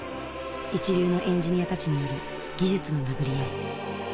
一流のエンジニアたちによる技術の殴り合い。